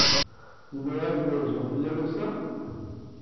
Zemreɣ ad n-rzuɣ fell-am ass-a?